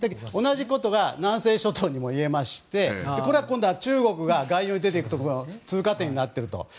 同じことが南西諸島にも言えましてこれは今度は中国が外洋に出ていくところの通過点になっていると。